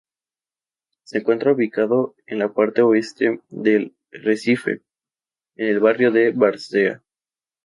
Se encuentra ubicado en la parte oeste de Recife, en el barrio de Várzea.